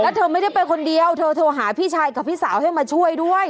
แล้วเธอไม่ได้ไปคนเดียวเธอโทรหาพี่ชายกับพี่สาวให้มาช่วยด้วย